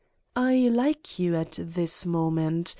I like you at this moment.